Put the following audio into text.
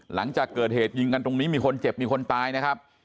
หลังจากเกิดเหตุยิงกันตรงนี้มีคนเจ็บมีคนตายนะครับ